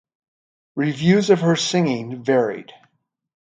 Reviews of her singing varied.